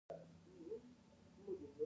تاریخ د افغانستان د زرغونتیا نښه ده.